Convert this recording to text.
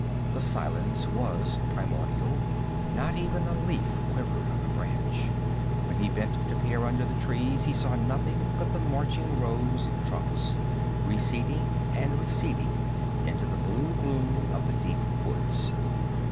The silence was primordial; not even a leaf quivered on a branch. When he bent to peer under the trees, he saw nothing but the marching rows of trunks, receding and receding into the blue gloom of the deep woods.